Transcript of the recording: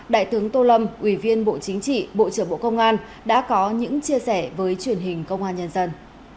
đại tướng tô lâm ủy viên bộ chính trị bộ trưởng bộ công an đã có những chia sẻ với truyền hình công an nhân dân